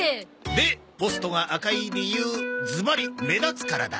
でポストが赤い理由ずばり目立つからだ！